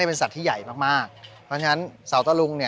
ชื่องนี้ชื่องนี้ชื่องนี้ชื่องนี้ชื่องนี้ชื่องนี้